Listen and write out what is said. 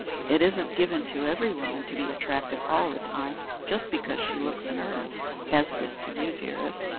"It isn't given to every woman to be attractive all the time just because she looks in earnest, as it is to you, dearest.